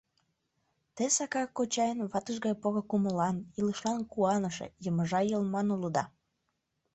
Те Сакар кочайын ватыж гай поро кумылан, илышлан куаныше, йымыжа йылман улыда.